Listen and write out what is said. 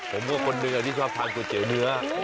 ผมก็คนเดือนที่ชอบทานสุดเจ๋วเนื้อ